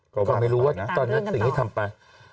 ก็ไม่รู้ว่าตอนนั้นสิ่งให้ทำไป